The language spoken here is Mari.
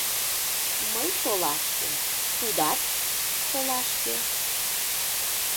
Мый шолашке, тудат — шолашке...